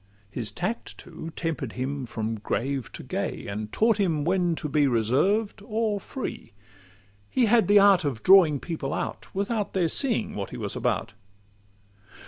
His tact, too, temper'd him from grave to gay, And taught him when to be reserved or free: He had the art of drawing people out, Without their seeing what he was about.